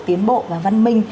tiến bộ và văn minh